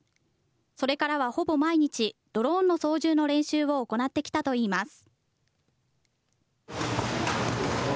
それからはほぼ毎日、ドローンの操縦の練習を行ってきたといいます。